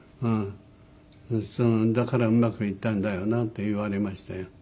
だからうまくいったんだよな」って言われましたよ。